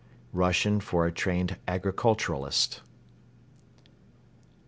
Russian for trained agriculturalist.